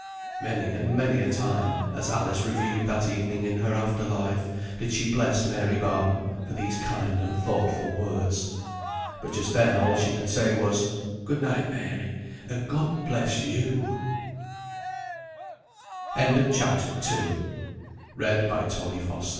Many and many a time, as Alice reviewed that evening in her after life, did she bless Mary Barton for these kind and thoughtful words. But just then all she could say was, "Good night, Mary, and may God bless you." CHAPTER III. JOHN BARTON'S GREAT TROUBLE. But when the morn